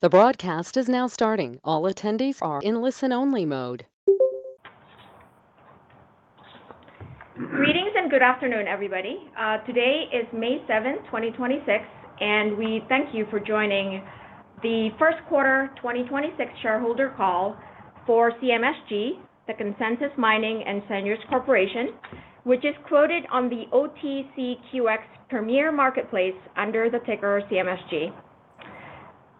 Greetings and good afternoon, everybody. Today is 7th May 2026, and we thank you for joining the first quarter 2026 shareholder call for CMSG, the Consensus Mining and Seigniorage Corporation, which is quoted on the OTCQX Best Market under the ticker CMSG.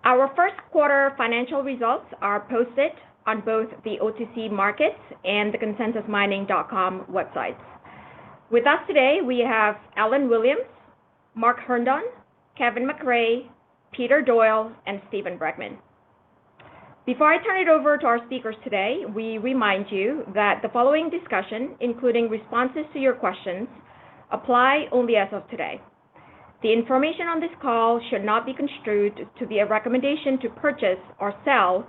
Our first quarter financial results are posted on both the OTC Markets and the consensusmining.com websites. With us today, we have Alun Williams, Mark Herndon, Kevin McRae, Peter Doyle and Steven Bregman. Before I turn it over to our speakers today, we remind you that the following discussion, including responses to your questions, apply only as of today. The information on this call should not be construed to be a recommendation to purchase or sell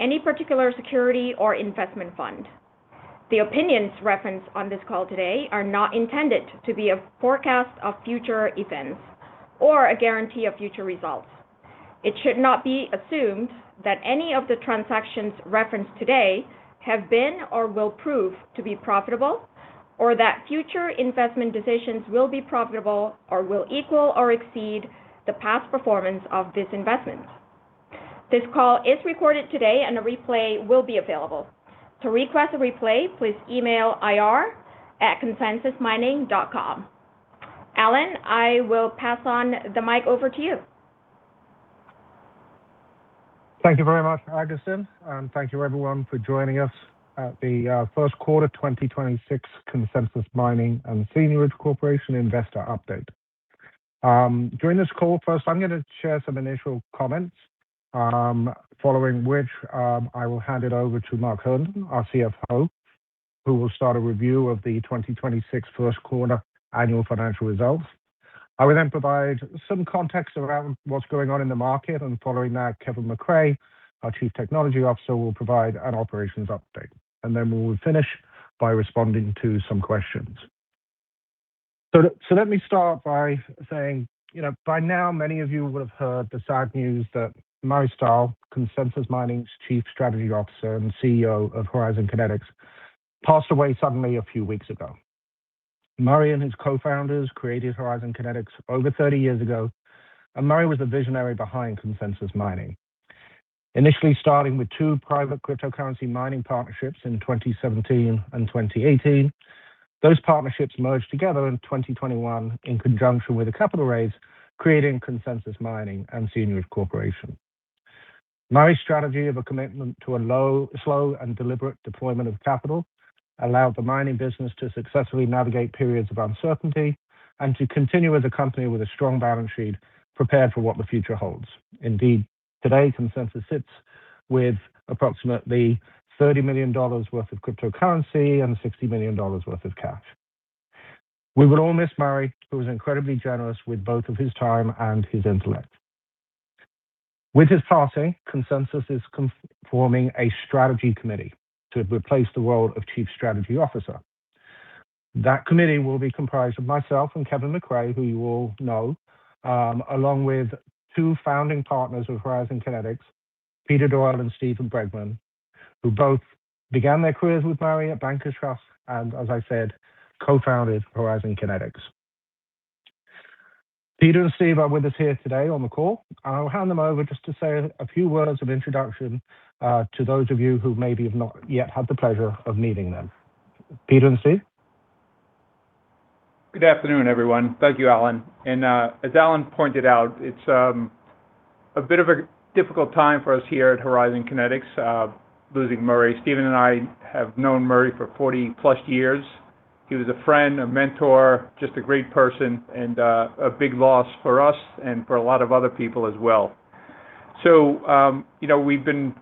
any particular security or investment fund. The opinions referenced on this call today are not intended to be a forecast of future events or a guarantee of future results. It should not be assumed that any of the transactions referenced today have been or will prove to be profitable, or that future investment decisions will be profitable or will equal or exceed the past performance of this investment. This call is recorded today and a replay will be available. To request a replay please email ir@consensusmining.com. Alun, I will pass on the mic over to you. Thank you very much, Addison, thank you everyone for joining us at the first quarter 2026 Consensus Mining and Seigniorage Corporation investor update. During this call, first I'm gonna share some initial comments, following which, I will hand it over to Mark Herndon, our CFO, who will start a review of the 2026 first quarter annual financial results. I will then provide some context around what's going on in the market, following that, Kevin McRae, our Chief Technology Officer, will provide an operations update. Then we will finish by responding to some questions. Let me start by saying, you know, by now many of you will have heard the sad news that Murray Stahl, Consensus Mining's Chief Strategy Officer and CEO of Horizon Kinetics, passed away suddenly a few weeks ago. Murray and his co-founders created Horizon Kinetics over 30 years ago, and Murray was the visionary behind Consensus Mining. Initially starting with two private cryptocurrency mining partnerships in 2017 and 2018, those partnerships merged together in 2021 in conjunction with a capital raise, creating Consensus Mining and Seigniorage Corporation. Murray's strategy of a commitment to a slow and deliberate deployment of capital allowed the mining business to successfully navigate periods of uncertainty and to continue as a company with a strong balance sheet prepared for what the future holds. Indeed. Today, Consensus Mining sits with approximately $30 million worth of cryptocurrency and $60 million worth of cash. We will all miss Murray, who was incredibly generous with both of his time and his intellect. With his passing, Consensus Mining is forming a strategy committee to replace the role of Chief Strategy Officer. That committee will be comprised of myself and Kevin McRae, who you all know, along with two founding partners with Horizon Kinetics, Peter Doyle and Steven Bregman, who both began their careers with Murray at Bankers Trust and, as I said, co-founded Horizon Kinetics. Peter and Steve are with us here today on the call. I'll hand them over just to say a few words of introduction, to those of you who maybe have not yet had the pleasure of meeting them. Peter and Steve? Good afternoon, everyone. Thank you, Alun Williams. As Alun Williams pointed out, it's a bit of a difficult time for us here at Horizon Kinetics, losing Murray. Steven and I have known Murray for 40-plus years. He was a friend, a mentor, just a great person, and a big loss for us and for a lot of other people as well. You know, we've been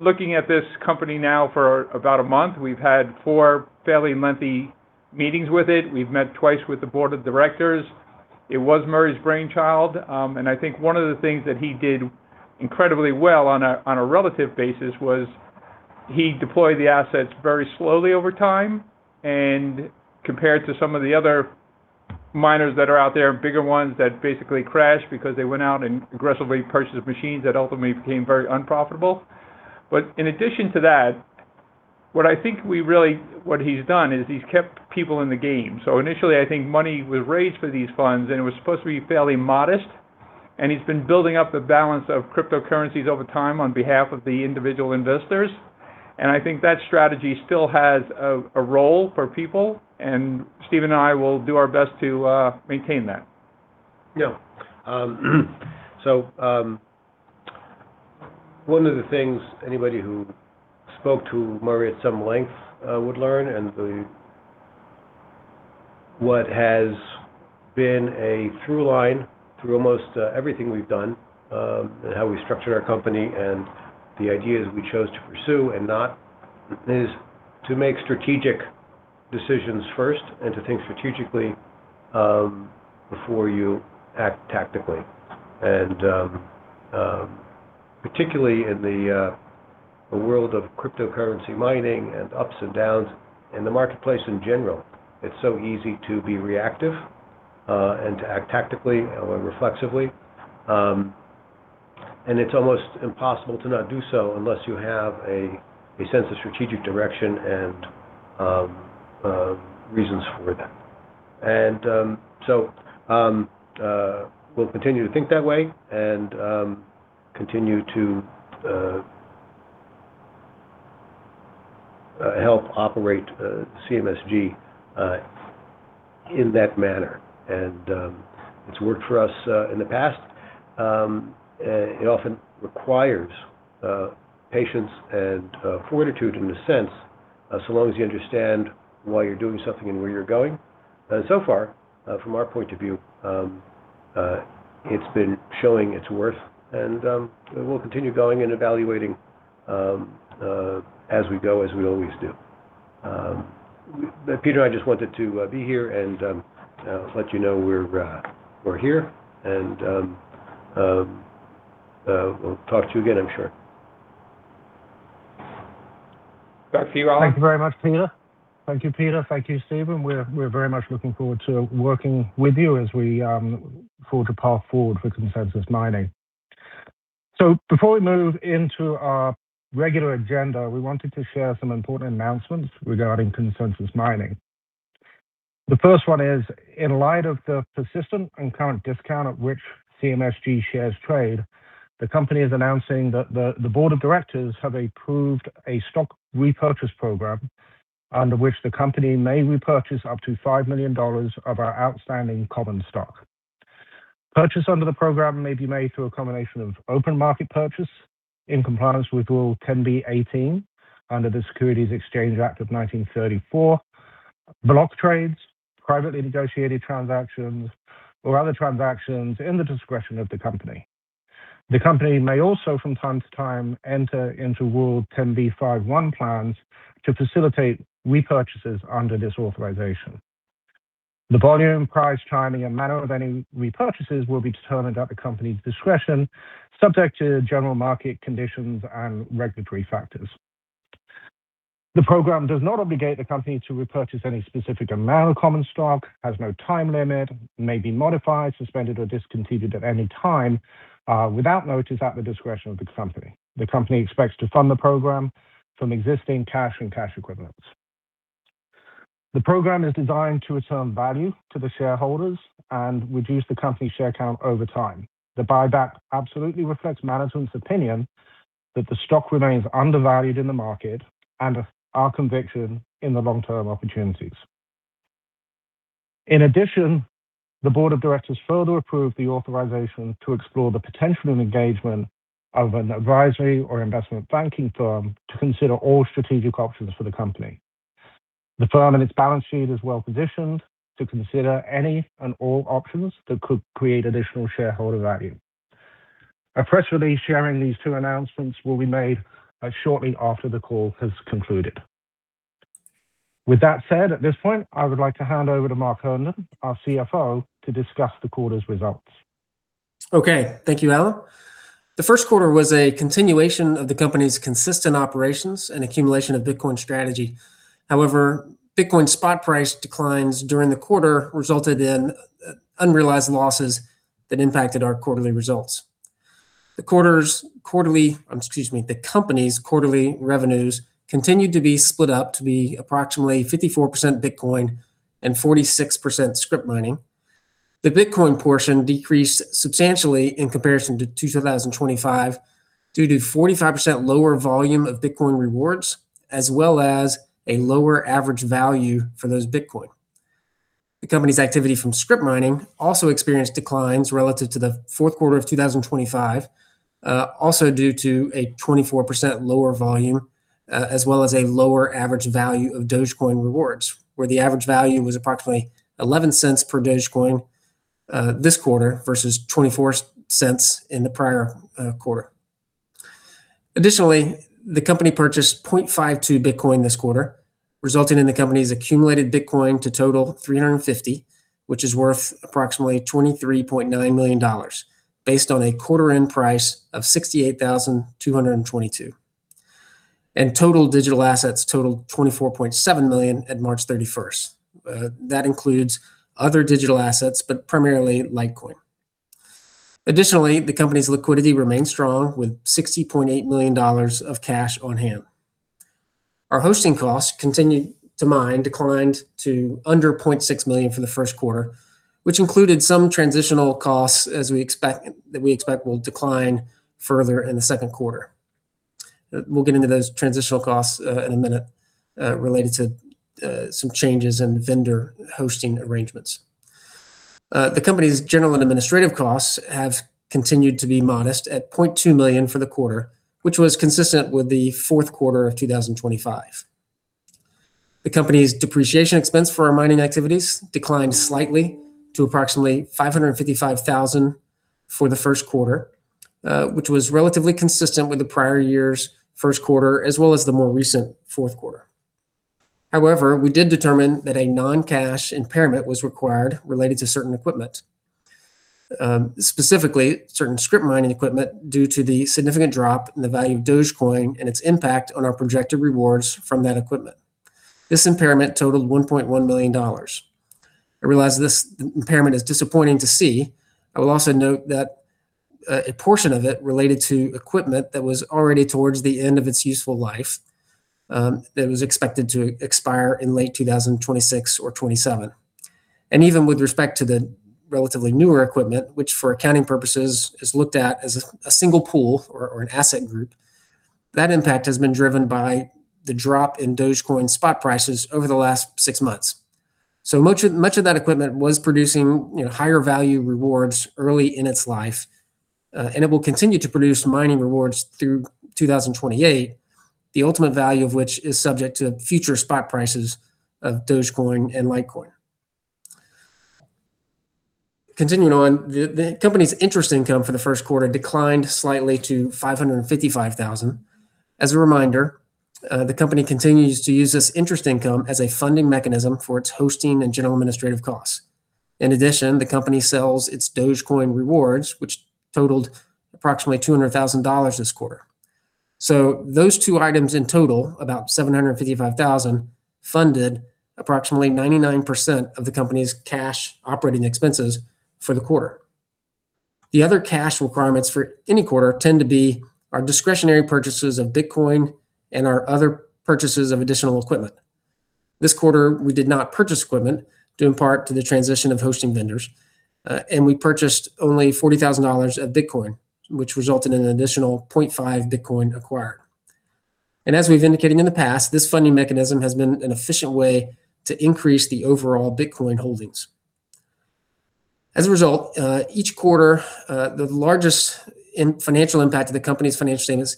looking at this company now for about a month. We've had four fairly lengthy meetings with it. We've met 2x with the board of directors. It was Murray's brainchild. I think one of the things that he did incredibly well on a, on a relative basis was he deployed the assets very slowly over time and compared to some of the other miners that are out there, bigger ones that basically crashed because they went out and aggressively purchased machines that ultimately became very unprofitable. In addition to that, what I think what he's done is he's kept people in the game. Initially, I think money was raised for these funds, and it was supposed to be fairly modest, and he's been building up the balance of cryptocurrencies over time on behalf of the individual investors. I think that strategy still has a role for people, and Steven and I will do our best to maintain that. Yeah. One of the things anybody who spoke to Murray at some length would learn and the what has been a through line through almost everything we've done and how we structured our company and the ideas we chose to pursue and not, is to make strategic decisions first and to think strategically before you act tactically. Particularly in the world of cryptocurrency mining and ups and downs in the marketplace in general, it's so easy to be reactive and to act tactically or reflexively. It's almost impossible to not do so unless you have a sense of strategic direction and reasons for that. We'll continue to think that way and continue to help operate CMSG in that manner. It's worked for us in the past. It often requires patience and fortitude in a sense, so long as you understand why you're doing something and where you're going. So far, from our point of view, it's been showing its worth, and we'll continue going and evaluating as we go, as we always do. Peter and I just wanted to be here and let you know we're here and we'll talk to you again, I'm sure. Back to you, Alun. Thank you very much, Peter. Thank you, Peter. Thank you, Steven. We're very much looking forward to working with you as we forge a path forward for Consensus Mining. Before we move into our regular agenda, we wanted to share some important announcements regarding Consensus Mining. The first one is, in light of the persistent and current discount at which CMSG shares trade, the company is announcing that the board of directors have approved a stock repurchase program under which the company may repurchase up to $5 million of our outstanding common stock. Purchase under the program may be made through a combination of open market purchase in compliance with Rule 10b-18 under the Securities Exchange Act of 1934, block trades, privately negotiated transactions, or other transactions in the discretion of the company. The company may also from time to time enter into Rule 10b5-1 plans to facilitate repurchases under this authorization. The volume, price, timing, and manner of any repurchases will be determined at the company's discretion, subject to general market conditions and regulatory factors. The program does not obligate the company to repurchase any specific amount of common stock, has no time limit, may be modified, suspended, or discontinued at any time, without notice at the discretion of the company. The company expects to fund the program from existing cash and cash equivalents. The program is designed to return value to the shareholders and reduce the company share count over time. The buyback absolutely reflects management's opinion that the stock remains undervalued in the market and our conviction in the long-term opportunities. In addition, the board of directors further approved the authorization to explore the potential of engagement of an advisory or investment banking firm to consider all strategic options for the company. The firm and its balance sheet is well positioned to consider any and all options that could create additional shareholder value. A press release sharing these two announcements will be made shortly after the call has concluded. With that said, at this point, I would like to hand over to Mark Herndon, our CFO, to discuss the quarter's results. Okay. Thank you, Alun. The first quarter was a continuation of the company's consistent operations and accumulation of Bitcoin strategy. However, Bitcoin spot price declines during the quarter resulted in unrealized losses that impacted our quarterly results. Excuse me. The company's quarterly revenues continued to be split up to be approximately 54% Bitcoin and 46% Scrypt mining. The Bitcoin portion decreased substantially in comparison to 2025 due to 45% lower volume of Bitcoin rewards, as well as a lower average value for those Bitcoin. The company's activity from Scrypt mining also experienced declines relative to the fourth quarter of 2025, also due to a 24% lower volume, as well as a lower average value of Dogecoin rewards, where the average value was approximately $0.11 per Dogecoin, this quarter versus $0.24 in the prior quarter. The company purchased 0.52 Bitcoin this quarter, resulting in the company's accumulated Bitcoin to total 350, which is worth approximately $23.9 million based on a quarter-end price of $68,222. Total digital assets totaled $24.7 million at March 31st. That includes other digital assets, but primarily Litecoin. The company's liquidity remains strong with $60.8 million of cash on hand. Our hosting costs continued to mine, declined to under $0.6 million for the first quarter, which included some transitional costs that we expect will decline further in the second quarter. We'll get into those transitional costs in a minute related to some changes in vendor hosting arrangements. The company's general and administrative costs have continued to be modest at $0.2 million for the quarter, which was consistent with the fourth quarter of 2025. The company's depreciation expense for our mining activities declined slightly to approximately $555,000 for the first quarter, which was relatively consistent with the prior year's first quarter as well as the more recent fourth quarter. However, we did determine that a non-cash impairment was required related to certain equipment, specifically certain Scrypt mining equipment due to the significant drop in the value of Dogecoin and its impact on our projected rewards from that equipment. This impairment totaled $1.1 million. I realize this impairment is disappointing to see. I will also note that a portion of it related to equipment that was already towards the end of its useful life, that was expected to expire in late 2026 or 2027. Even with respect to the relatively newer equipment, which for accounting purposes is looked at as a single pool or an asset group, that impact has been driven by the drop in Dogecoin spot prices over the last 6 months. Much of that equipment was producing, you know, higher value rewards early in its life, and it will continue to produce mining rewards through 2028, the ultimate value of which is subject to future spot prices of Dogecoin and Litecoin. Continuing on, the company's interest income for the first quarter declined slightly to $555,000. As a reminder, the company continues to use this interest income as a funding mechanism for its hosting and general administrative costs. In addition, the company sells its Dogecoin rewards, which totaled approximately $200,000 this quarter. Those two items in total, about $755,000, funded approximately 99% of the company's cash operating expenses for the quarter. The other cash requirements for any quarter tend to be our discretionary purchases of Bitcoin and our other purchases of additional equipment. This quarter, we did not purchase equipment due in part to the transition of hosting vendors, and we purchased only $40,000 of Bitcoin, which resulted in an additional 0.5 Bitcoin acquired. As we've indicated in the past, this funding mechanism has been an efficient way to increase the overall Bitcoin holdings. As a result, each quarter, the largest financial impact to the company's financial statements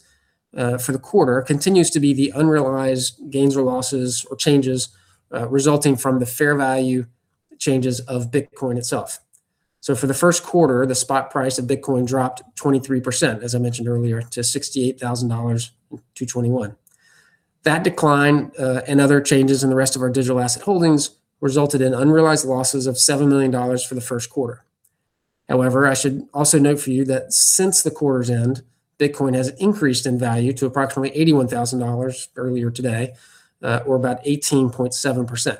for the quarter continues to be the unrealized gains or losses or changes resulting from the fair value changes of Bitcoin itself. For the first quarter, the spot price of Bitcoin dropped 23%, as I mentioned earlier, to $68,000 to twenty-one. That decline, and other changes in the rest of our digital asset holdings resulted in unrealized losses of $7 million for the first quarter. However, I should also note for you that since the quarter's end, Bitcoin has increased in value to approximately $81,000 earlier today, or about 18.7%.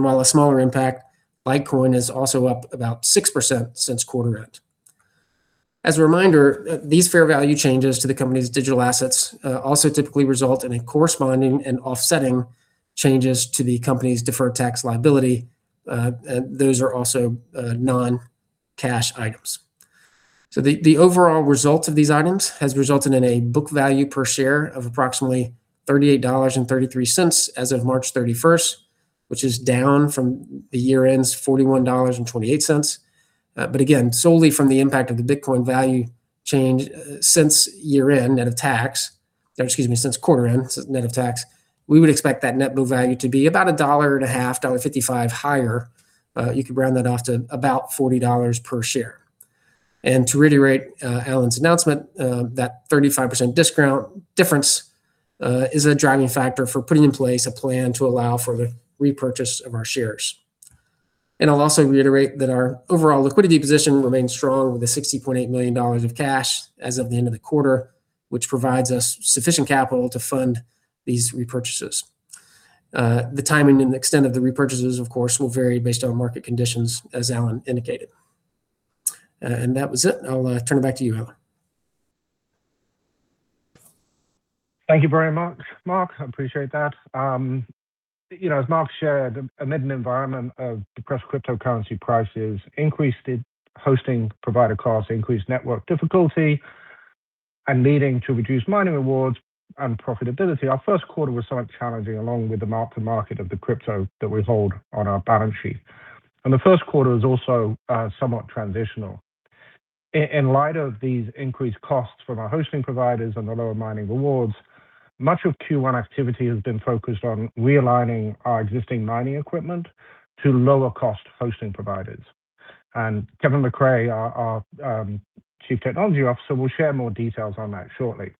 While a smaller impact, Bitcoin is also up about 6% since quarter end. As a reminder, these fair value changes to the company's digital assets also typically result in a corresponding and offsetting changes to the company's deferred tax liability. Those are also non-cash items. The overall result of these items has resulted in a book value per share of approximately $38.33 as of March 31st, which is down from the year-end's $41.28. Again, solely from the impact of the Bitcoin value change since year-end net of tax, or excuse me, since quarter-end net of tax, we would expect that net book value to be about a dollar and a half, $1.55 higher. You could round that off to about $40 per share. To reiterate, Alun's announcement, that 35% discount difference, is a driving factor for putting in place a plan to allow for the repurchase of our shares. I'll also reiterate that our overall liquidity position remains strong with $60.8 million of cash as of the end of the quarter, which provides us sufficient capital to fund these repurchases. The timing and extent of the repurchases, of course, will vary based on market conditions, as Alun indicated. That was it. I'll turn it back to you, Alun. Thank you very much, Mark. I appreciate that. You know, as Mark shared, amid an environment of depressed cryptocurrency prices, increased hosting provider costs, increased network difficulty, and leading to reduced mining rewards and profitability, our first quarter was somewhat challenging along with the mark-to-market of the crypto that we hold on our balance sheet. The first quarter was also somewhat transitional. In light of these increased costs from our hosting providers and the lower mining rewards, much of Q1 activity has been focused on realigning our existing mining equipment to lower-cost hosting providers. Kevin McRae, our Chief Technology Officer, will share more details on that shortly.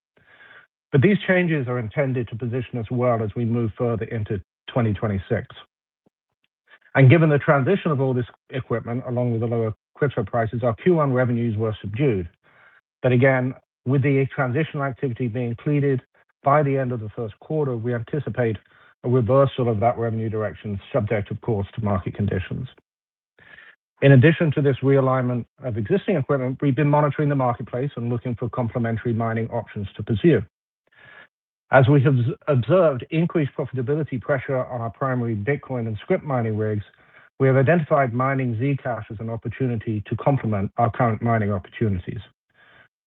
These changes are intended to position us well as we move further into 2026. Given the transition of all this equipment, along with the lower crypto prices, our Q1 revenues were subdued. Again, with the transitional activity being completed by the end of the first quarter, we anticipate a reversal of that revenue direction, subject, of course, to market conditions. In addition to this realignment of existing equipment, we've been monitoring the marketplace and looking for complementary mining options to pursue. As we have observed increased profitability pressure on our primary Bitcoin and Scrypt mining rigs, we have identified mining Zcash as an opportunity to complement our current mining opportunities.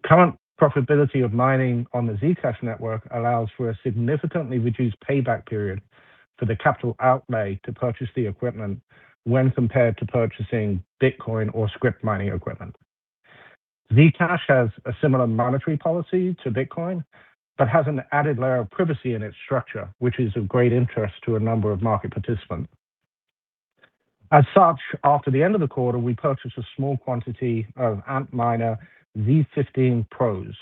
Current profitability of mining on the Zcash network allows for a significantly reduced payback period for the capital outlay to purchase the equipment when compared to purchasing Bitcoin or Scrypt mining equipment. Zcash has a similar monetary policy to Bitcoin but has an added layer of privacy in its structure, which is of great interest to a number of market participants. As such, after the end of the quarter, we purchased a small quantity of Antminer Z15 Pros.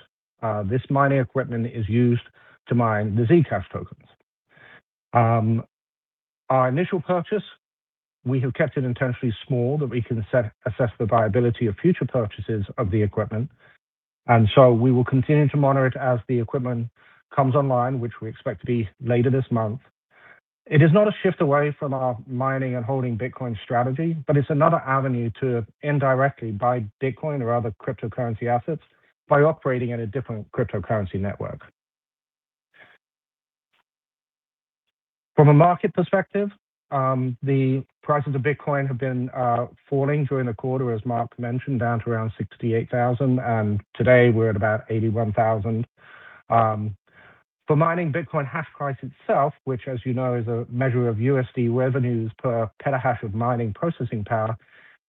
This mining equipment is used to mine the Zcash tokens. Our initial purchase, we have kept it intentionally small that we can assess the viability of future purchases of the equipment. We will continue to monitor it as the equipment comes online, which we expect to be later this month. It is not a shift away from our mining and holding Bitcoin strategy, but it's another avenue to indirectly buy Bitcoin or other cryptocurrency assets by operating in a different cryptocurrency network. From a market perspective, the prices of Bitcoin have been falling during the quarter, as Mark mentioned, down to around $68,000, and today we're at about $81,000. For mining Bitcoin hash price itself, which as you know is a measure of USD revenues per petahash of mining processing power,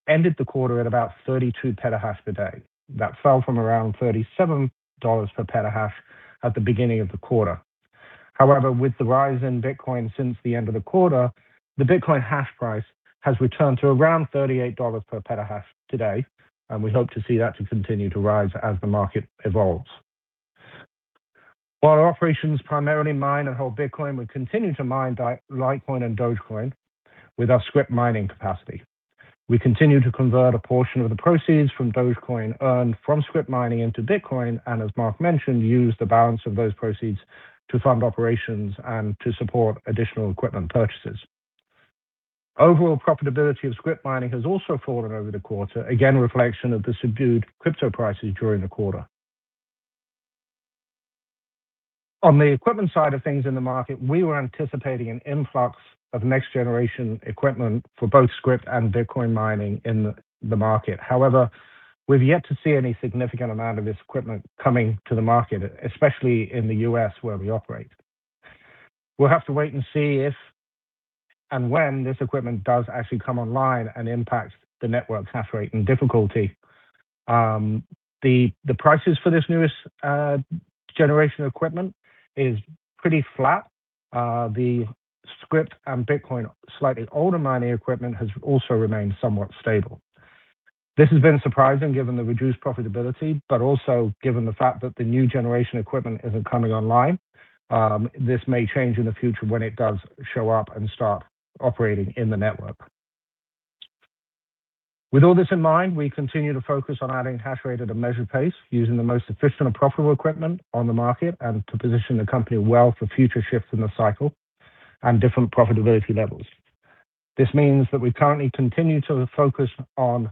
ended the quarter at about 32 petahash per day. That fell from around $37 per petahash at the beginning of the quarter. However, with the rise in Bitcoin since the end of the quarter, the Bitcoin hash price has returned to around $38 per petahash today, and we hope to see that to continue to rise as the market evolves. While our operations primarily mine and hold Bitcoin, we continue to mine Litecoin and Dogecoin with our Scrypt mining capacity. We continue to convert a portion of the proceeds from Dogecoin earned from Scrypt mining into Bitcoin and, as Mark mentioned, use the balance of those proceeds to fund operations and to support additional equipment purchases. Overall profitability of Scrypt mining has also fallen over the quarter, again a reflection of the subdued crypto prices during the quarter. On the equipment side of things in the market, we were anticipating an influx of next-generation equipment for both Scrypt and Bitcoin mining in the market. We've yet to see any significant amount of this equipment coming to the market, especially in the U.S. where we operate. We'll have to wait and see if and when this equipment does actually come online and impacts the network's hash rate and difficulty. The prices for this newest generation equipment is pretty flat. The Scrypt and Bitcoin slightly older mining equipment has also remained somewhat stable. This has been surprising given the reduced profitability, but also given the fact that the new generation equipment isn't coming online. This may change in the future when it does show up and start operating in the network. With all this in mind, we continue to focus on adding hash rate at a measured pace using the most efficient and profitable equipment on the market and to position the company well for future shifts in the cycle and different profitability levels. This means that we currently continue to focus on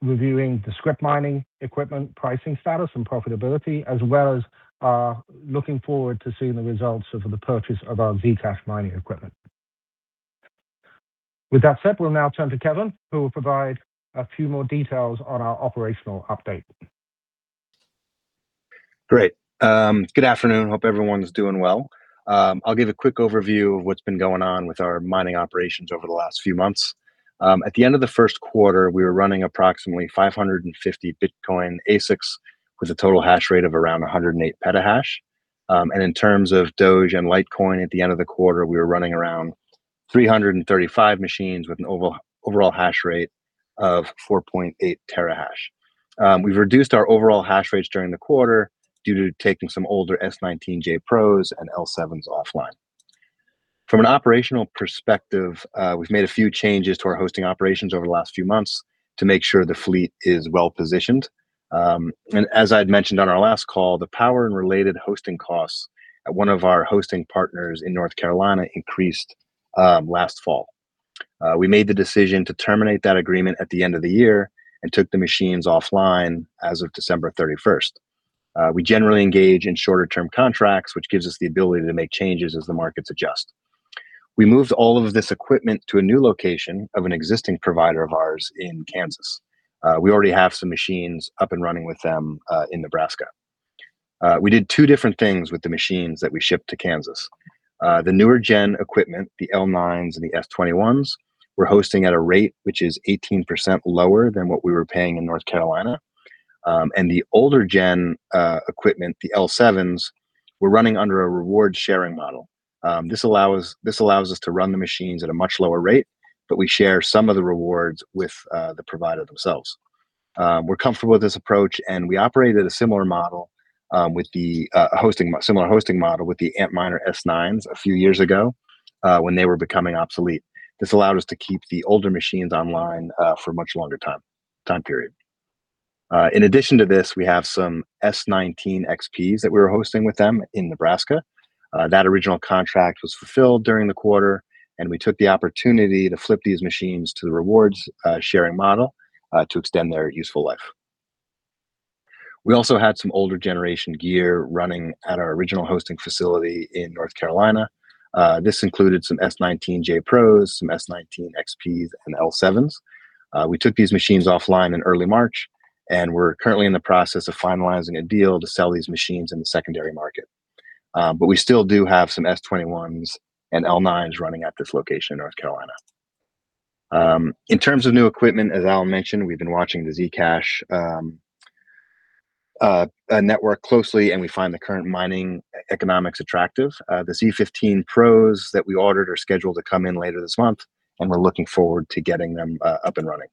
reviewing the Scrypt mining equipment pricing status and profitability, as well as looking forward to seeing the results of the purchase of our Zcash mining equipment. With that said, we'll now turn to Kevin, who will provide a few more details on our operational update. Great. Good afternoon. Hope everyone's doing well. I'll give a quick overview of what's been going on with our mining operations over the last few months. At the end of the first quarter, we were running approximately 550 Bitcoin ASICs with a total hash rate of around 108 petahash. In terms of Doge and Litecoin at the end of the quarter, we were running around 335 machines with an overall hash rate of 4.8 terahash. We've reduced our overall hash rates during the quarter due to taking some older S19j Pros and L7s offline. From an operational perspective, we've made a few changes to our hosting operations over the last few months to make sure the fleet is well-positioned. As I'd mentioned on our last call, the power and related hosting costs at one of our hosting partners in North Carolina increased last fall. We made the decision to terminate that agreement at the end of the year and took the machines offline as of December 31st. We generally engage in shorter term contracts, which gives us the ability to make changes as the markets adjust. We moved all of this equipment to a new location of an existing provider of ours in Kansas. We already have some machines up and running with them in Nebraska. We did two different things with the machines that we shipped to Kansas. The newer gen equipment, the L9s and the S21s, we're hosting at a rate which is 18% lower than what we were paying in North Carolina. The older gen equipment, the L7s, we're running under a reward sharing model. This allows us to run the machines at a much lower rate, but we share some of the rewards with the provider themselves. We're comfortable with this approach, and we operated a similar model, similar hosting model with the Antminer S9s a few years ago, when they were becoming obsolete. This allowed us to keep the older machines online for a much longer time period. In addition to this, we have some S19 XPs that we were hosting with them in Nebraska. That original contract was fulfilled during the quarter, we took the opportunity to flip these machines to the reward sharing model to extend their useful life. We also had some older generation gear running at our original hosting facility in North Carolina. This included some S19j Pros, some S19 XPs, and L7s. We took these machines offline in early March, and we're currently in the process of finalizing a deal to sell these machines in the secondary market. We still do have some S21s and L9s running at this location in North Carolina. In terms of new equipment, as Al mentioned, we've been watching the Zcash network closely, and we find the current mining economics attractive. The Z15 Pros that we ordered are scheduled to come in later this month, and we're looking forward to getting them up and running.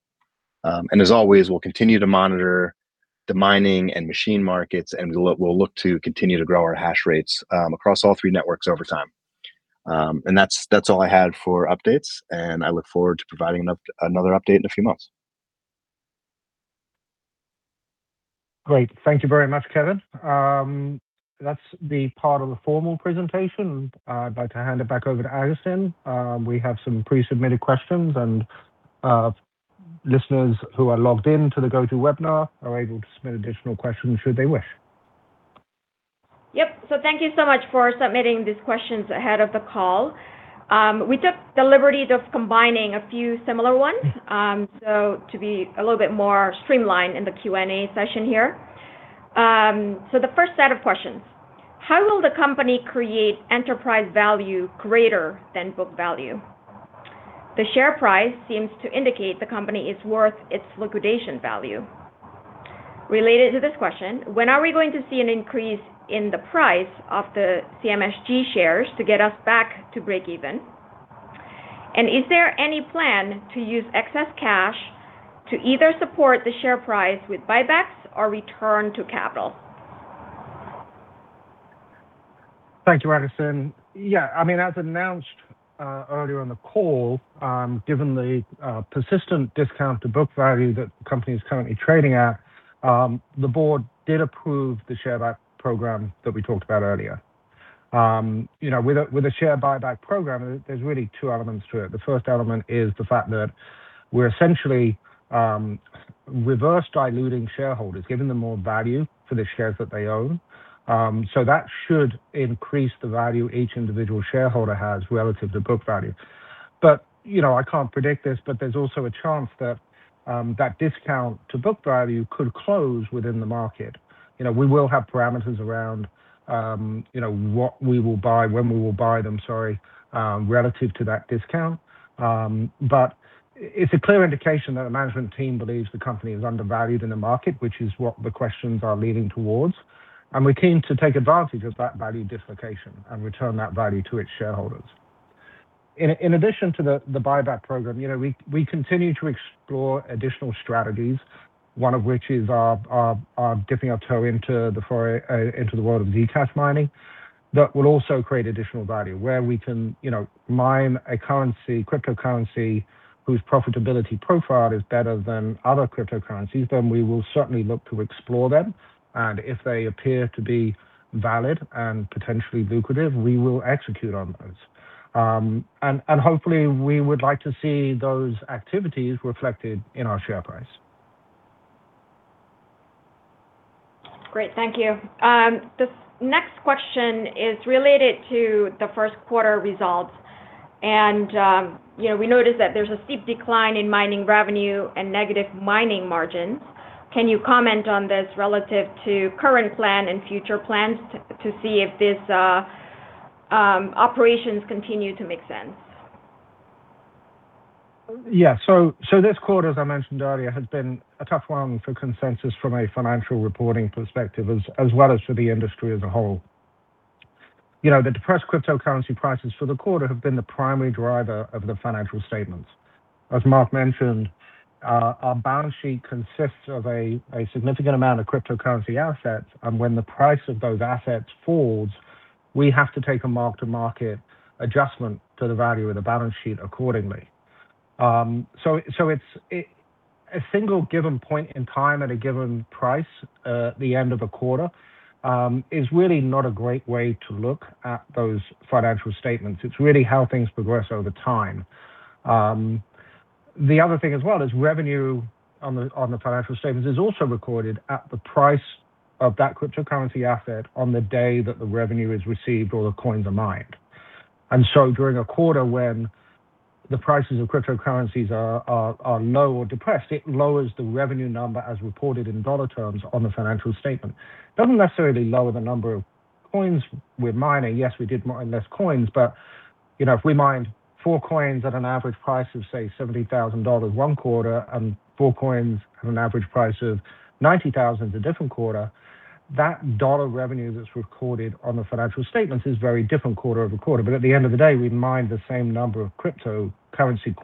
As always, we'll continue to monitor the mining and machine markets, and we'll look to continue to grow our hash rates across all three networks over time. That's all I had for updates, and I look forward to providing another update in a few months. Great. Thank you very much, Kevin. That's the part of the formal presentation. I'd like to hand it back over to Agaton. We have some pre-submitted questions, and listeners who are logged in to the GoToWebinar are able to submit additional questions should they wish. Yep. Thank you so much for submitting these questions ahead of the call. We took the liberty of combining a few similar ones to be a little bit more streamlined in the Q&A session here. The first set of questions. How will the company create enterprise value greater than book value? The share price seems to indicate the company is worth its liquidation value. Related to this question, when are we going to see an increase in the price of the CMSG shares to get us back to breakeven? Is there any plan to use excess cash to either support the share price with buybacks or return to capital? Thank you, Agaton. I mean, as announced earlier on the call, given the persistent discount to book value that the company is currently trading at, the board did approve the share buy program that we talked about earlier. You know, with a share buyback program, there's really two elements to it. The first element is the fact that we're essentially reverse diluting shareholders, giving them more value for the shares that they own. So that should increase the value each individual shareholder has relative to book value. You know, I can't predict this, but there's also a chance that that discount to book value could close within the market. You know, we will have parameters around, you know, what we will buy, when we will buy them, sorry, relative to that discount. It's a clear indication that the management team believes the company is undervalued in the market, which is what the questions are leading towards. We're keen to take advantage of that value dislocation and return that value to its shareholders. In addition to the buyback program, you know, we continue to explore additional strategies, one of which is dipping our toe into the world of Zcash mining. That will also create additional value where we can, you know, mine a currency, cryptocurrency whose profitability profile is better than other cryptocurrencies, then we will certainly look to explore them. If they appear to be valid and potentially lucrative, we will execute on those. Hopefully, we would like to see those activities reflected in our share price. Great. Thank you. This next question is related to the first quarter results. You know, we noticed that there's a steep decline in mining revenue and negative mining margins. Can you comment on this relative to current plan and future plans to see if this operations continue to make sense? Yeah. This quarter, as I mentioned earlier, has been a tough one for Consensus Mining from a financial reporting perspective, as well as for the industry as a whole. You know, the depressed cryptocurrency prices for the quarter have been the primary driver of the financial statements. As Mark mentioned, our balance sheet consists of a significant amount of cryptocurrency assets, and when the price of those assets falls, we have to take a mark-to-market adjustment to the value of the balance sheet accordingly. It's a single given point in time at a given price, the end of a quarter, is really not a great way to look at those financial statements. It's really how things progress over time. The other thing as well is revenue on the financial statements is also recorded at the price of that cryptocurrency asset on the day that the revenue is received or the coins are mined. So during a quarter when the prices of cryptocurrencies are low or depressed, it lowers the revenue number as reported in dollar terms on the financial statement. It doesn't necessarily lower the number of coins we're mining. Yes, we did mine less coins, but you know, if we mined four coins at an average price of, say, $70,000 one quarter and four coins at an average price of $90,000 a different quarter, that dollar revenue that's recorded on the financial statements is very different quarter-over-quarter. At the end of the day, we mined the same number of cryptocurrency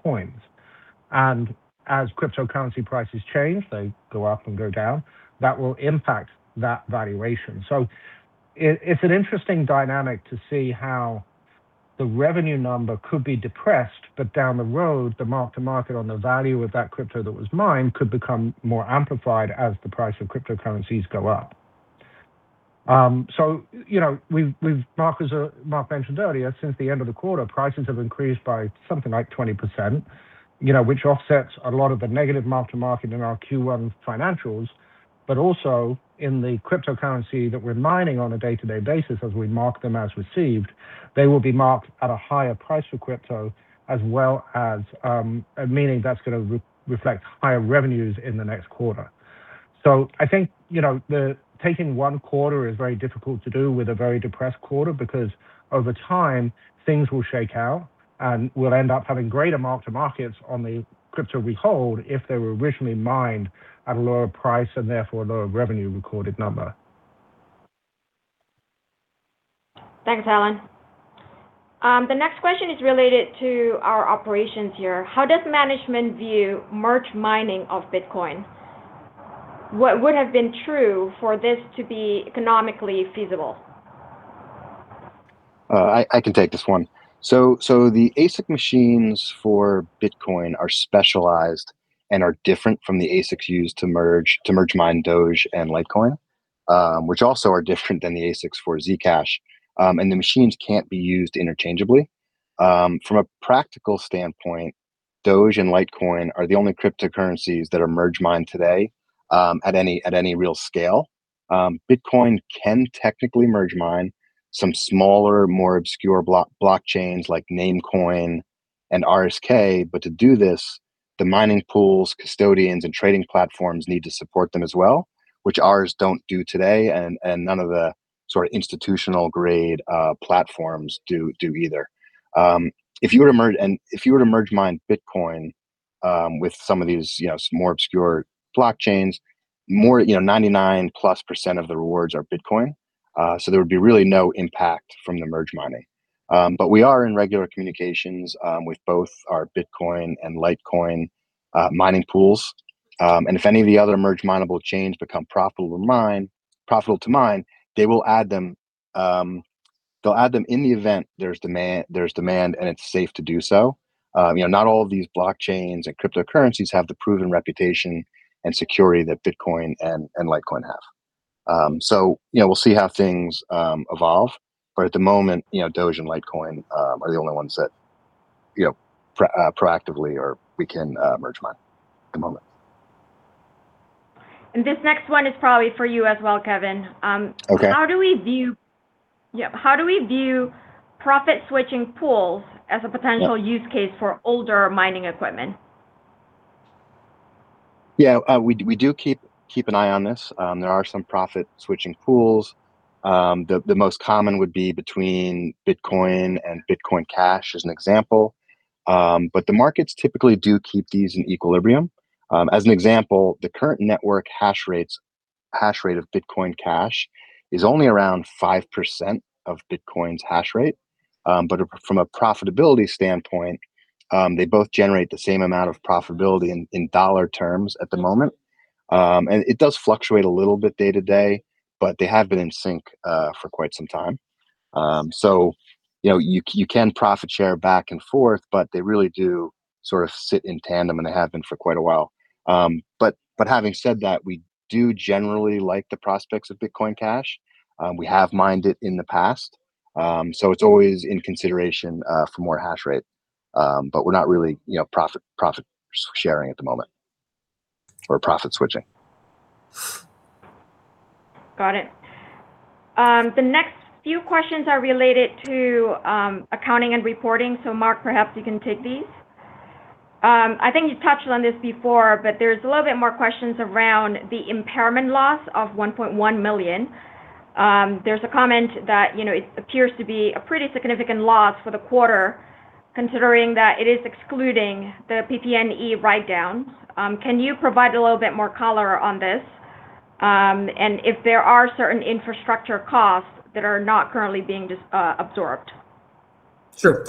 coins. As cryptocurrency prices change, they go up and go down, that will impact that valuation. It's an interesting dynamic to see how the revenue number could be depressed, but down the road, the mark-to-market on the value of that crypto that was mined could become more amplified as the price of cryptocurrencies go up. you know, Mark mentioned earlier, since the end of the quarter, prices have increased by something like 20%, you know, which offsets a lot of the negative mark-to-market in our Q1 financials. Also in the cryptocurrency that we're mining on a day-to-day basis as we mark them as received, they will be marked at a higher price for crypto as well as, meaning that's going to re-reflect higher revenues in the next quarter. I think, you know, the taking one quarter is very difficult to do with a very depressed quarter because over time things will shake out, and we'll end up having greater mark-to-markets on the crypto we hold if they were originally mined at a lower price, and therefore a lower revenue recorded number. Thanks, Alun. The next question is related to our operations here. How does management view merge mining of Bitcoin? What would have been true for this to be economically feasible? I can take this one. The ASIC machines for Bitcoin are specialized and are different from the ASICs used to merge mine Doge and Litecoin, which also are different than the ASICs for Zcash. The machines can't be used interchangeably. From a practical standpoint, Doge and Litecoin are the only cryptocurrencies that are merge mined today, at any real scale. Bitcoin can technically merge mine some smaller, more obscure blockchains like Namecoin and RSK, but to do this, the mining pools, custodians, and trading platforms need to support them as well, which ours don't do today and none of the sort of institutional grade platforms do either. If you were to merge mine Bitcoin, with some of these, you know, some more obscure blockchains, more, you know, 99% plus of the rewards are Bitcoin. There would be really no impact from the merge mining. We are in regular communications with both our Bitcoin and Litecoin mining pools. If any of the other merge mineable chains become profitable to mine, they will add them in the event there's demand and it's safe to do so. You know, not all of these blockchains and cryptocurrencies have the proven reputation and security that Bitcoin and Litecoin have. You know, we'll see how things evolve, but at the moment, you know, Doge and Litecoin are the only ones that, you know, proactively or we can merge mine at the moment. This next one is probably for you as well, Kevin. Okay. Yeah. How do we view profit-switching pools as a potential? Yeah use case for older mining equipment? Yeah. We do keep an eye on this. There are some profit-switching pools. The most common would be between Bitcoin and Bitcoin Cash as an example. The markets typically do keep these in equilibrium. As an example, the current network hash rate of Bitcoin Cash is only around 5% of Bitcoin's hash rate. From a profitability standpoint, they both generate the same amount of profitability in dollar terms at the moment. It does fluctuate a little bit day to day, but they have been in sync for quite some time. You know, you can profit share back and forth, but they really do sort of sit in tandem, and they have been for quite a while. Having said that, we do generally like the prospects of Bitcoin Cash. We have mined it in the past. It's always in consideration for more hash rate. We're not really, you know, profit sharing at the moment or profit switching. Got it. The next few questions are related to accounting and reporting. Mark, perhaps you can take these. I think you touched on this before, but there's a little bit more questions around the impairment loss of $1.1 million. There's a comment that, you know, it appears to be a pretty significant loss for the quarter considering that it is excluding the PP&E write-downs. Can you provide a little bit more color on this? If there are certain infrastructure costs that are not currently being absorbed. Sure.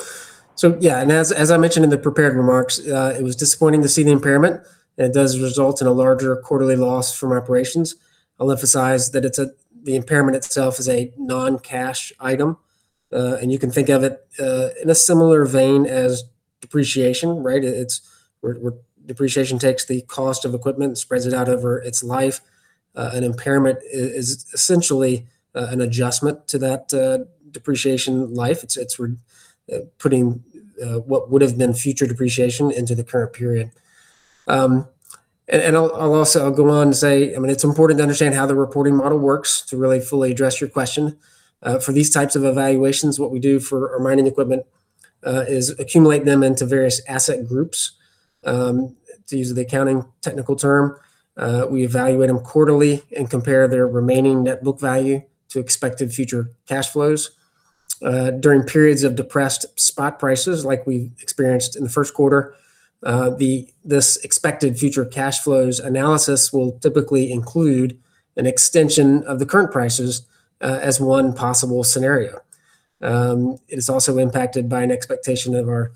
Yeah, as I mentioned in the prepared remarks, it was disappointing to see the impairment. It does result in a larger quarterly loss from operations. I'll emphasize that the impairment itself is a non-cash item. You can think of it in a similar vein as depreciation, right? It's where depreciation takes the cost of equipment and spreads it out over its life. An impairment is essentially an adjustment to that depreciation life. It's putting what would've been future depreciation into the current period. I'll also go on to say, I mean, it's important to understand how the reporting model works to really fully address your question. For these types of evaluations, what we do for our mining equipment, is accumulate them into various asset groups, to use the accounting technical term. We evaluate them quarterly and compare their remaining net book value to expected future cash flows. During periods of depressed spot prices like we experienced in the first quarter, this expected future cash flows analysis will typically include an extension of the current prices, as one possible scenario. It is also impacted by an expectation of our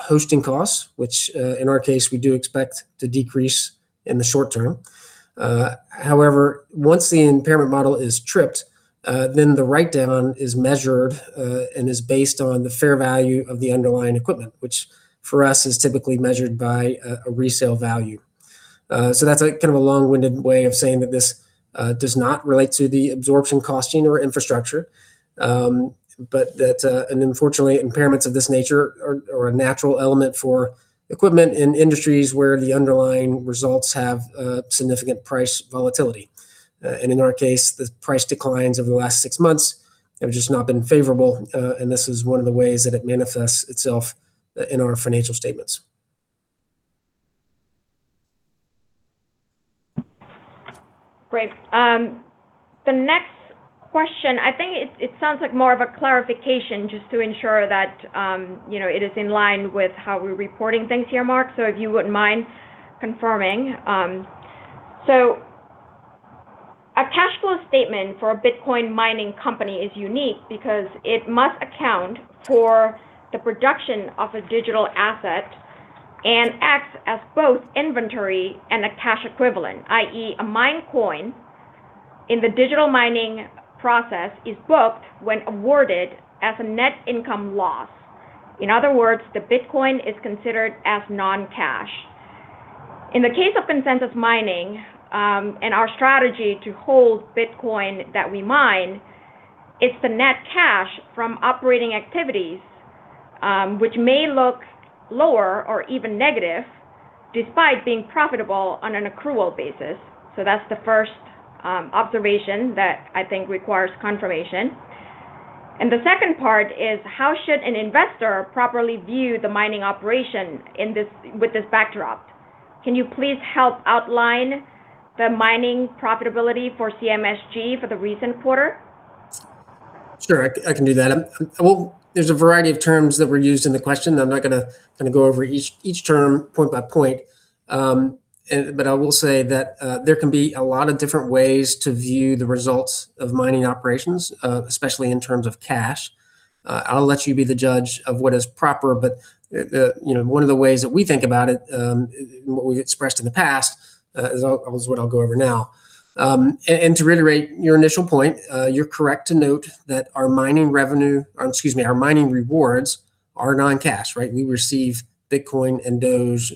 hosting costs, which, in our case, we do expect to decrease in the short term. However, once the impairment model is tripped, then the write-down is measured, and is based on the fair value of the underlying equipment, which for us is typically measured by a resale value. That's a kind of a long-winded way of saying that this does not relate to the absorption costing or infrastructure. Unfortunately, impairments of this nature are a natural element for equipment in industries where the underlying results have significant price volatility. In our case, the price declines over the last 6 months have just not been favorable. This is one of the ways that it manifests itself in our financial statements. Great. The next question, I think it sounds like more of a clarification just to ensure that, you know, it is in line with how we're reporting things here, Mark. If you wouldn't mind confirming. A cash flow statement for a Bitcoin mining company is unique because it must account for the production of a digital asset and acts as both inventory and a cash equivalent, i.e. a mined coin in the digital mining process is booked when awarded as a net income loss. In other words, the Bitcoin is considered as non-cash. In the case of Consensus Mining, and our strategy to hold Bitcoin that we mine, it's the net cash from operating activities, which may look lower or even negative despite being profitable on an accrual basis. That's the first observation that I think requires confirmation. The second part is how should an investor properly view the mining operation with this backdrop? Can you please help outline the mining profitability for CMSG for the recent quarter? Sure. I can do that. Well, there's a variety of terms that were used in the question. I'm not gonna kinda go over each term point by point. But I will say that there can be a lot of different ways to view the results of mining operations, especially in terms of cash. I'll let you be the judge of what is proper, but you know, one of the ways that we think about it, what we expressed in the past, is what I'll go over now. To reiterate your initial point, you're correct to note that our mining revenue, or excuse me, our mining rewards are non-cash, right? We receive Bitcoin and Doge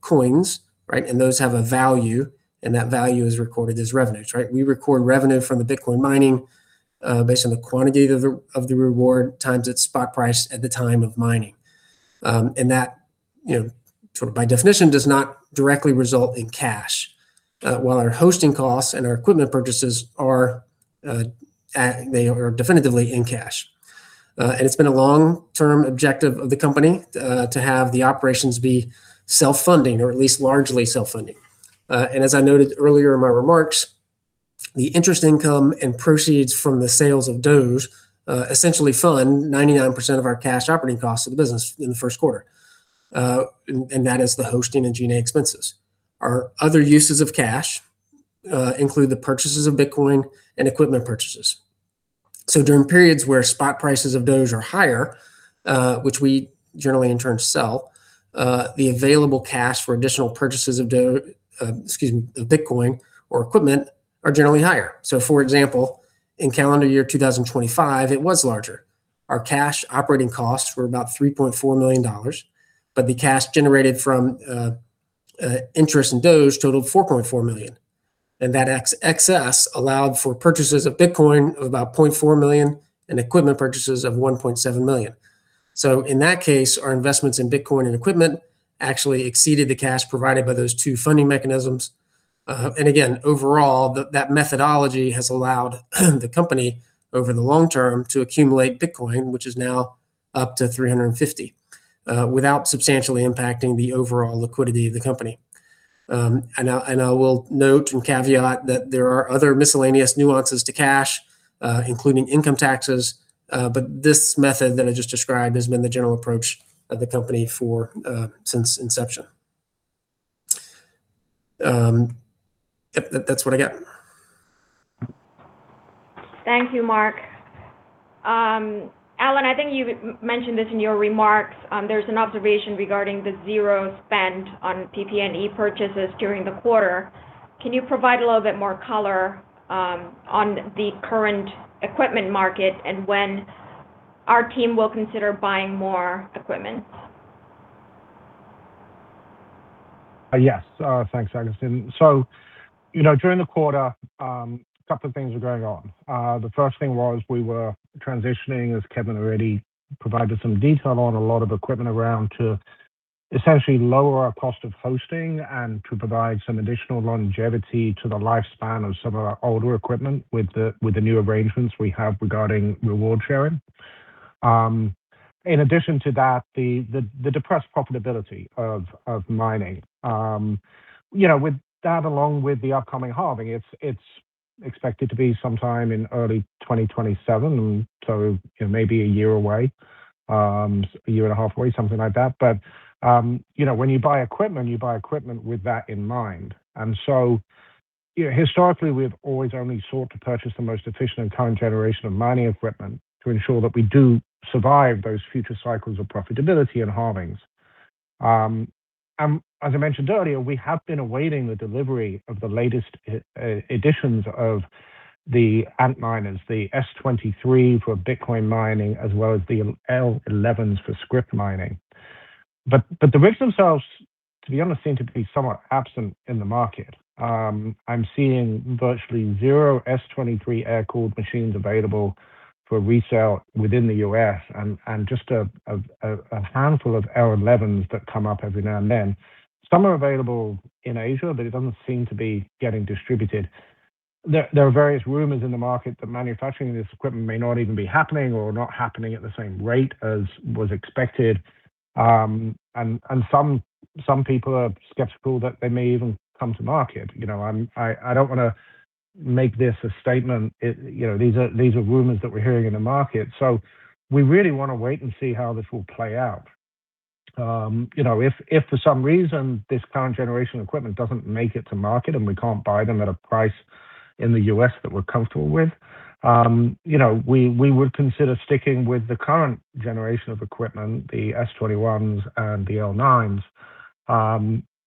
coins, right? Those have a value, and that value is recorded as revenues, right? We record revenue from the Bitcoin mining, based on the quantity of the, of the reward times its spot price at the time of mining. And that, you know, sort of by definition, does not directly result in cash. While our hosting costs and our equipment purchases are, they are definitively in cash. And it's been a long-term objective of the company, to have the operations be self-funding or at least largely self-funding. And as I noted earlier in my remarks, the interest income and proceeds from the sales of Doge, essentially fund 99% of our cash operating costs of the business in the first quarter. And that is the hosting and G&A expenses. Our other uses of cash, include the purchases of Bitcoin and equipment purchases. During periods where spot prices of Doge are higher, which we generally in turn sell, the available cash for additional purchases of Bitcoin or equipment are generally higher. For example, in calendar year 2025, it was larger. Our cash operating costs were about $3.4 million, but the cash generated from interest in Doge totaled $4.4 million. That excess allowed for purchases of Bitcoin of about $0.4 million and equipment purchases of $1.7 million. In that case, our investments in Bitcoin and equipment actually exceeded the cash provided by those two funding mechanisms. Again, overall, that methodology has allowed the company over the long term to accumulate Bitcoin, which is now up to 350, without substantially impacting the overall liquidity of the company. I will note and caveat that there are other miscellaneous nuances to cash, including income taxes. This method that I just described has been the general approach of the company for since inception. That's what I got. Thank you, Mark. Alun, I think you mentioned this in your remarks. There's an observation regarding the 0 spend on PP&E purchases during the quarter. Can you provide a little bit more color on the current equipment market and when our team will consider buying more equipment? Thanks, Augustine. You know, during the quarter, a couple of things were going on. The first thing was we were transitioning, as Kevin already provided some detail on a lot of equipment around to essentially lower our cost of hosting and to provide some additional longevity to the lifespan of some of our older equipment with the new arrangements we have regarding reward sharing. In addition to that, the depressed profitability of mining. You know, with that, along with the upcoming halving, it's expected to be sometime in early 2027, so, you know, maybe one year away, one and a half years away, something like that. You know, when you buy equipment, you buy equipment with that in mind. You know, historically, we've always only sought to purchase the most efficient and current generation of mining equipment to ensure that we do survive those future cycles of profitability and halvings. As I mentioned earlier, we have been awaiting the delivery of the latest additions of the Antminers, the S23 for Bitcoin mining, as well as the L11s for Scrypt mining. The rigs themselves, to be honest, seem to be somewhat absent in the market. I'm seeing virtually zero S23 air-cooled machines available for resale within the U.S. and just a handful of L11s that come up every now and then. Some are available in Asia, it doesn't seem to be getting distributed. There are various rumors in the market that manufacturing this equipment may not even be happening or not happening at the same rate as was expected. And some people are skeptical that they may even come to market. You know, I don't wanna make this a statement. You know, these are rumors that we're hearing in the market. We really wanna wait and see how this will play out. You know, if for some reason this current generation equipment doesn't make it to market and we can't buy them at a price in the U.S. that we're comfortable with, you know, we would consider sticking with the current generation of equipment, the S21s and the L9s.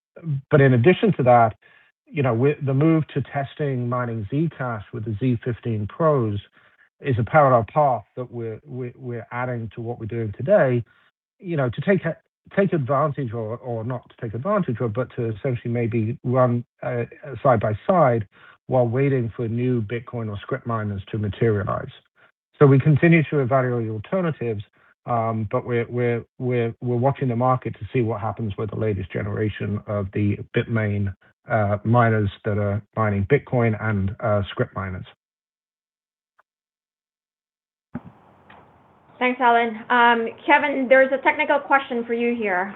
In addition to that, you know, with the move to testing mining Zcash with the Z15 Pros is a parallel path that we're adding to what we're doing today, you know, to take advantage or not to take advantage of, but to essentially maybe run side by side while waiting for new Bitcoin or Scrypt miners to materialize. We continue to evaluate alternatives, but we're watching the market to see what happens with the latest generation of the Bitmain miners that are mining Bitcoin and Scrypt miners. Thanks, Alun. Kevin, there's a technical question for you here.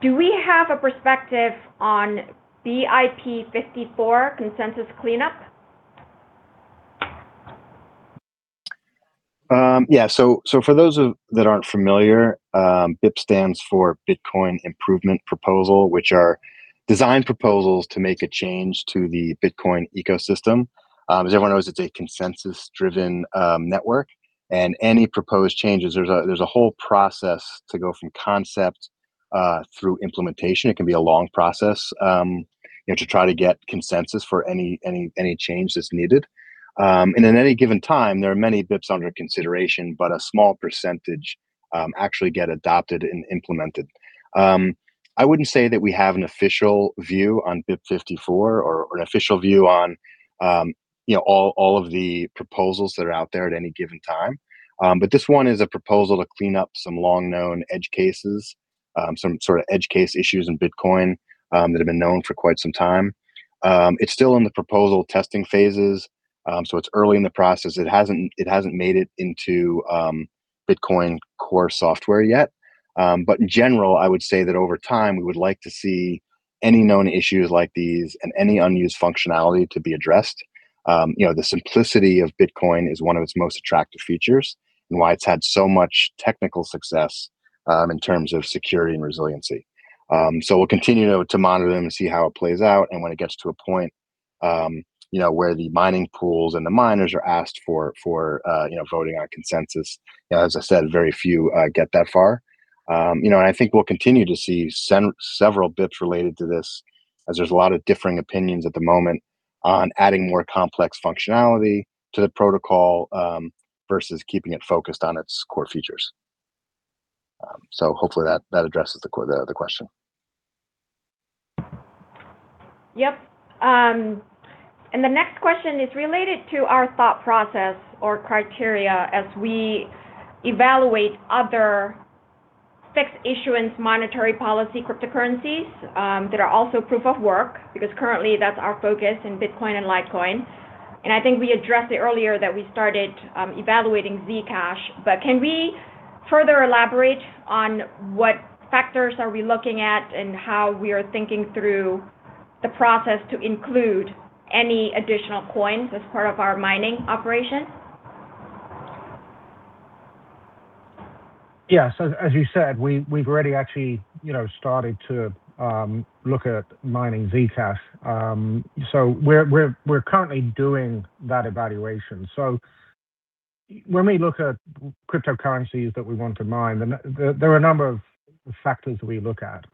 Do we have a perspective on BIP 54 consensus cleanup? For those that aren't familiar, BIP stands for Bitcoin Improvement Proposal, which are design proposals to make a change to the Bitcoin ecosystem. As everyone knows, it's a consensus-driven network, and any proposed changes, there's a whole process to go from concept through implementation. It can be a long process, you know, to try to get consensus for any change that's needed. At any given time, there are many BIPs under consideration, but a small percentage actually get adopted and implemented. I wouldn't say that we have an official view on BIP 54 or an official view on, you know, all of the proposals that are out there at any given time. This one is a proposal to clean up some long-known edge cases, some sort of edge case issues in Bitcoin that have been known for quite some time. It's still in the proposal testing phases, it's early in the process. It hasn't made it into Bitcoin Core software yet. In general, I would say that over time, we would like to see any known issues like these and any unused functionality to be addressed. You know, the simplicity of Bitcoin is one of its most attractive features and why it's had so much technical success in terms of security and resiliency. We'll continue to monitor them and see how it plays out. When it gets to a point, you know, where the mining pools and the miners are asked for, you know, voting on consensus, you know, as I said, very few get that far. You know, I think we'll continue to see several BIPs related to this, as there's a lot of differing opinions at the moment on adding more complex functionality to the protocol versus keeping it focused on its core features. Hopefully that addresses the question. Yep. The next question is related to our thought process or criteria as we evaluate other fixed issuance monetary policy cryptocurrencies that are also proof of work, because currently that's our focus in Bitcoin and Litecoin, and I think we addressed it earlier that we started evaluating Zcash. Can we further elaborate on what factors are we looking at and how we are thinking through the process to include any additional coins as part of our mining operation? Yeah. As you said, we've already actually, you know, started to look at mining Zcash. We're currently doing that evaluation. When we look at cryptocurrencies that we want to mine, there are a number of factors we look at.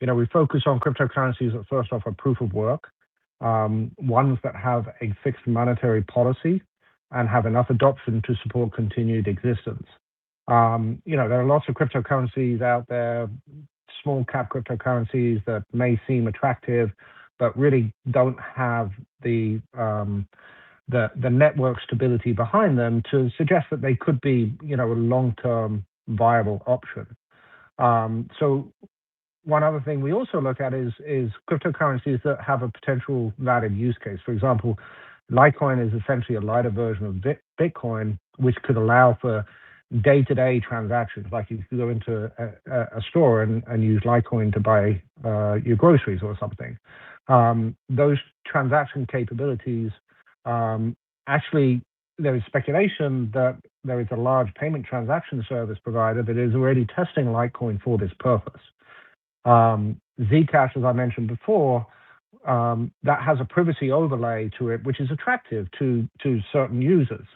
You know, we focus on cryptocurrencies that first off are proof of work, ones that have a fixed monetary policy and have enough adoption to support continued existence. You know, there are lots of cryptocurrencies out there, small cap cryptocurrencies that may seem attractive but really don't have the network stability behind them to suggest that they could be, you know, a long-term viable option. One other thing we also look at is cryptocurrencies that have a potential valid use case. For example, Litecoin is essentially a lighter version of Bitcoin, which could allow for day-to-day transactions, like you could go into a store and use Litecoin to buy your groceries or something. Those transaction capabilities, actually there is speculation that there is a large payment transaction service provider that is already testing Litecoin for this purpose. Zcash, as I mentioned before, that has a privacy overlay to it, which is attractive to certain users.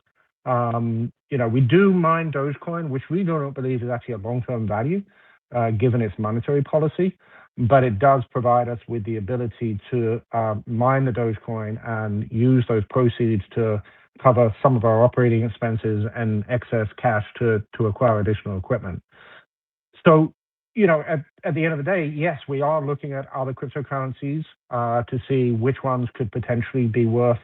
You know, we do mine Dogecoin, which we do not believe is actually a long-term value given its monetary policy, but it does provide us with the ability to mine the Dogecoin and use those proceeds to cover some of our operating expenses and excess cash to acquire additional equipment. you know, at the end of the day, yes, we are looking at other cryptocurrencies to see which ones could potentially be worth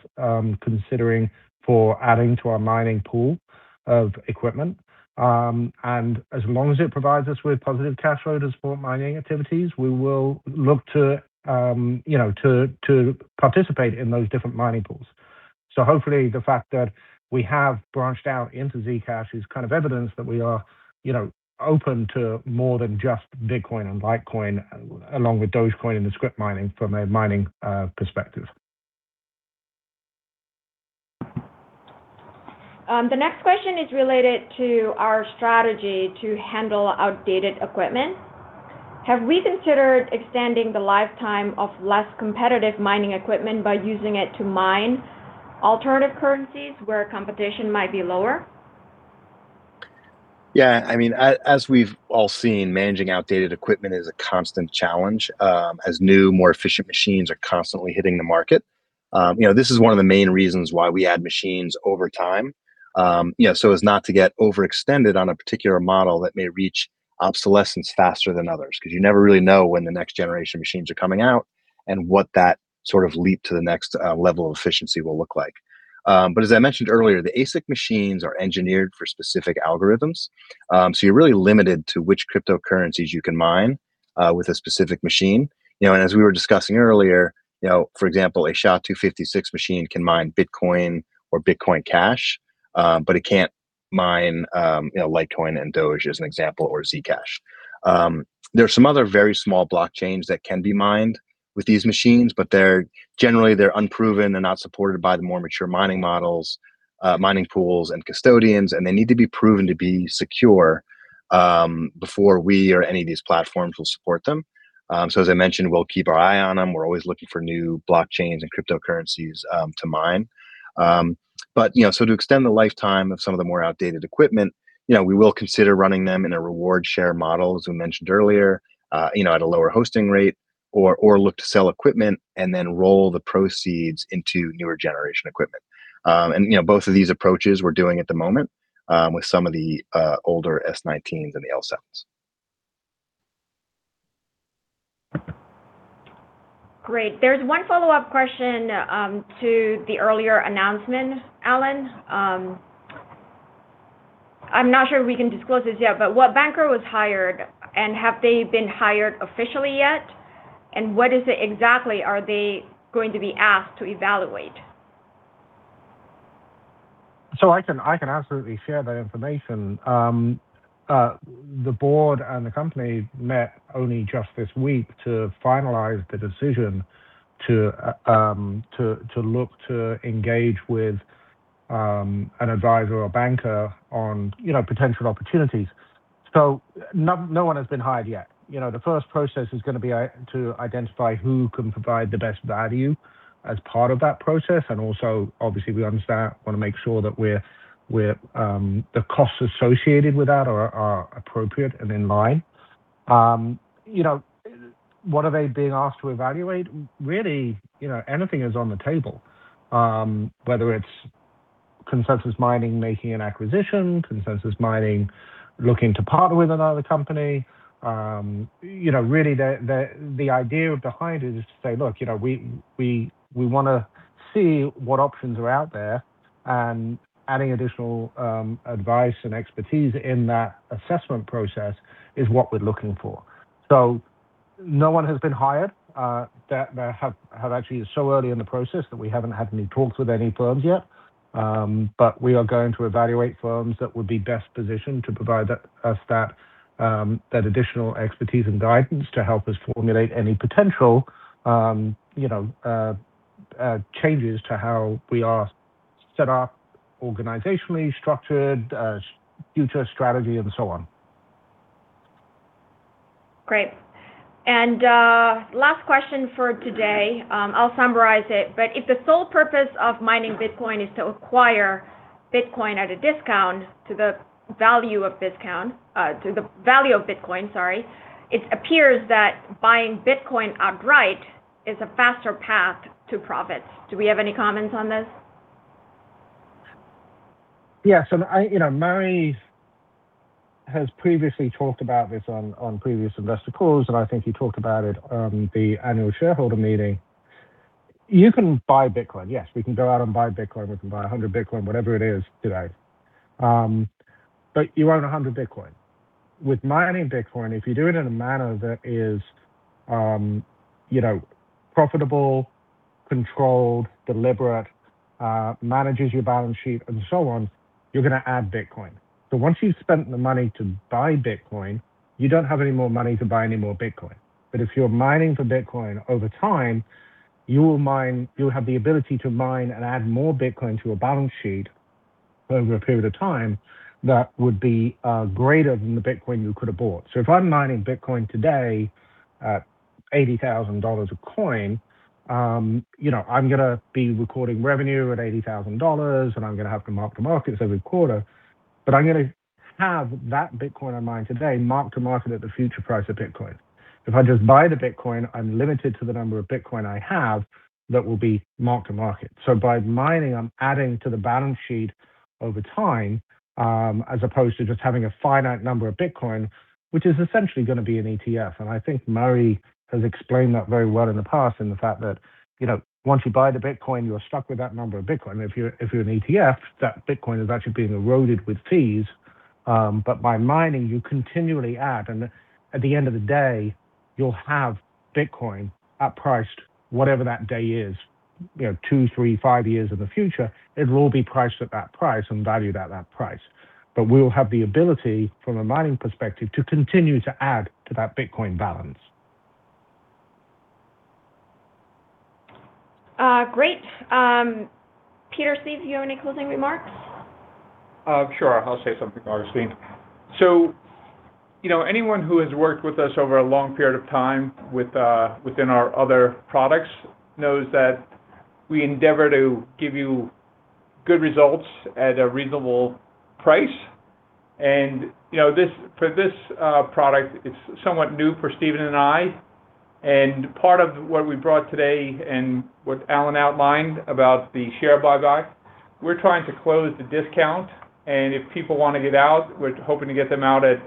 considering for adding to our mining pool of equipment. And as long as it provides us with positive cash flow to support mining activities, we will look to, you know, to participate in those different mining pools. Hopefully the fact that we have branched out into Zcash is kind of evidence that we are, you know, open to more than just Bitcoin and Litecoin along with Dogecoin and the Scrypt mining from a mining perspective. The next question is related to our strategy to handle outdated equipment. Have we considered extending the lifetime of less competitive mining equipment by using it to mine alternative currencies where competition might be lower? Yeah. I mean, as we've all seen, managing outdated equipment is a constant challenge, as new, more efficient machines are constantly hitting the market. You know, this is one of the main reasons why we add machines over time, you know, so as not to get overextended on a particular model that may reach obsolescence faster than others. Because you never really know when the next generation machines are coming out and what that sort of leap to the next level of efficiency will look like. As I mentioned earlier, the ASIC machines are engineered for specific algorithms. You're really limited to which cryptocurrencies you can mine with a specific machine. You know, as we were discussing earlier, you know, for example, a SHA-256 machine can mine Bitcoin or Bitcoin Cash, but it can't mine, you know, Litecoin and Doge as an example, or Zcash. There are some other very small blockchains that can be mined with these machines, but they're generally unproven. They're not supported by the more mature mining models, mining pools and custodians, and they need to be proven to be secure before we or any of these platforms will support them. As I mentioned, we'll keep our eye on them. We're always looking for new blockchains and cryptocurrencies to mine. You know, to extend the lifetime of some of the more outdated equipment, you know, we will consider running them in a reward share model, as we mentioned earlier, you know, at a lower hosting rate or look to sell equipment and roll the proceeds into newer generation equipment. You know, both of these approaches we're doing at the moment, with some of the older S19s and the L7s. Great. There's one follow-up question, to the earlier announcement, Alun. I'm not sure we can disclose this yet, but what banker was hired, and have they been hired officially yet? What is it exactly are they going to be asked to evaluate? I can absolutely share that information. The board and the company met only just this week to finalize the decision to look to engage with an advisor or banker on, you know, potential opportunities. No one has been hired yet. You know, the first process is gonna be to identify who can provide the best value as part of that process, and also obviously we understand, wanna make sure that we're the costs associated with that are appropriate and in line. You know, what are they being asked to evaluate? Really, you know, anything is on the table. Whether it's Consensus Mining making an acquisition, Consensus Mining looking to partner with another company. You know, really the idea behind it is to say, "Look, you know, we wanna see what options are out there," and adding additional advice and expertise in that assessment process is what we're looking for. No one has been hired. It's so early in the process that we haven't had any talks with any firms yet, but we are going to evaluate firms that would be best positioned to provide us that additional expertise and guidance to help us formulate any potential changes to how we are set up organizationally, structured, future strategy, and so on. Great. Last question for today, I'll summarize it, but if the sole purpose of mining Bitcoin is to acquire Bitcoin at a discount to the value of Bitcoin, sorry, it appears that buying Bitcoin outright is a faster path to profits. Do we have any comments on this? Yeah. You know, Murray has previously talked about this on previous investor calls, and I think he talked about it on the annual shareholder meeting. You can buy Bitcoin. Yes, we can go out and buy Bitcoin. We can buy 100 Bitcoin, whatever it is today. You own 100 Bitcoin. With mining Bitcoin, if you do it in a manner that is, you know, profitable, controlled, deliberate, manages your balance sheet and so on, you're gonna add Bitcoin. Once you've spent the money to buy Bitcoin, you don't have any more money to buy any more Bitcoin. If you're mining for Bitcoin over time, you will mine You'll have the ability to mine and add more Bitcoin to a balance sheet over a period of time that would be greater than the Bitcoin you could have bought. If I'm mining Bitcoin today at $80,000 a coin, you know, I'm gonna be recording revenue at $80,000, and I'm gonna have to mark-to-market every quarter, but I'm gonna have that Bitcoin I mined today mark-to-market at the future price of Bitcoin. If I just buy the Bitcoin, I'm limited to the number of Bitcoin I have that will be mark-to-market. By mining, I'm adding to the balance sheet over time, as opposed to just having a finite number of Bitcoin, which is essentially gonna be an ETF. I think Murray has explained that very well in the past in the fact that, you know, once you buy the Bitcoin, you are stuck with that number of Bitcoin. If you're an ETF, that Bitcoin is actually being eroded with fees. By mining, you continually add, and at the end of the day, you'll have Bitcoin at priced whatever that day is. You know, two, three, five years in the future, it will be priced at that price and valued at that price. We'll have the ability from a mining perspective to continue to add to that Bitcoin balance. Great. Peter, Steve, do you have any closing remarks? Sure. I'll say something, Augustine. You know, anyone who has worked with us over a long period of time with within our other products knows that we endeavor to give you good results at a reasonable price. You know, this, for this product, it's somewhat new for Steven and I. Part of what we brought today and what Alun outlined about the share buyback, we're trying to close the discount. If people wanna get out, we're hoping to get them out at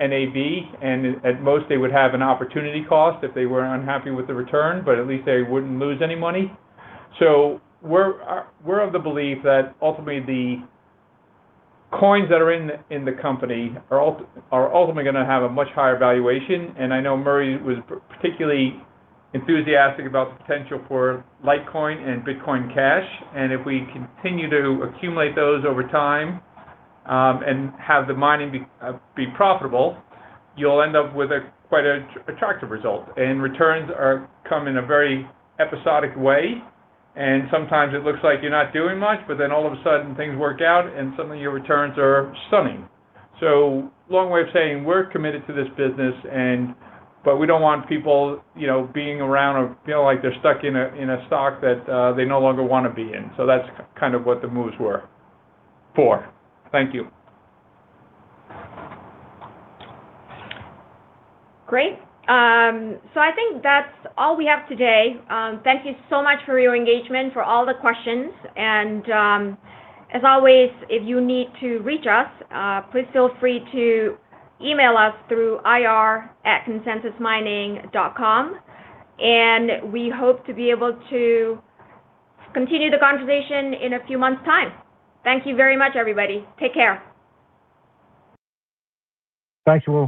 NAV, and at most they would have an opportunity cost if they were unhappy with the return, but at least they wouldn't lose any money. We're of the belief that ultimately the coins that are in the company are ultimately gonna have a much higher valuation. I know Murray was particularly enthusiastic about the potential for Litecoin and Bitcoin Cash. If we continue to accumulate those over time, and have the mining be profitable, you'll end up with a quite attractive result. Returns are come in a very episodic way, and sometimes it looks like you're not doing much, but then all of a sudden things work out, and suddenly your returns are stunning. Long way of saying we're committed to this business and but we don't want people, you know, being around or feeling like they're stuck in a, in a stock that, they no longer wanna be in. That's kind of what the moves were for. Thank you. Great. I think that's all we have today. Thank you so much for your engagement, for all the questions. As always, if you need to reach us, please feel free to email us through ir@consensusmining.com. We hope to be able to continue the conversation in a few months' time. Thank you very much, everybody. Take care. Thanks, all.